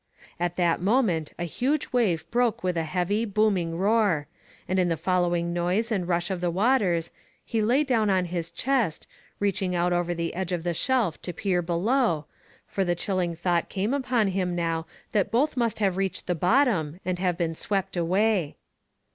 At that moment a huge wave broke with a heavy, booming roar, and in the following noise and rush of the waters, he lay down on his che'st, reaching out over the edge of the shelf to peer below, for the chilling thought came upon him now that both must have reached the bottom and have been swept away.